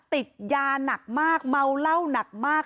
ติดยาหนักมากเมาเหล้าหนักมาก